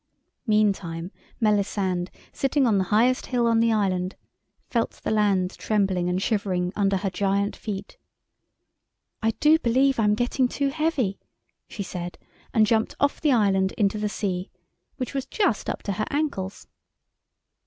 ] Meantime Melisande, sitting on the highest hill on the island, felt the land trembling and shivering under her giant feet. "I do believe I'm getting too heavy," she said, and jumped off the island into the sea, which was just up to her ankles.